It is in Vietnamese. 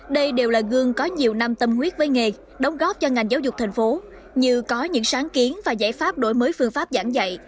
đây đều là gương có nhiều năm tâm huyết với nghề đóng góp cho ngành giáo dục thành phố như có những sáng kiến và giải pháp đổi mới phương pháp giảng dạy